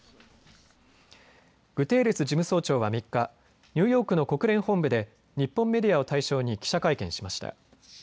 グテーレス事務総長は３日、ニューヨークの国連本部で日本メディアを対象に記者会見しました。